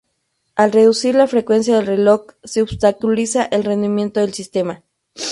Al reducir la frecuencia del reloj, se obstaculiza el rendimiento del sistema.